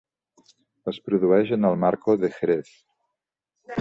Es produeix en el Marco de Jerez.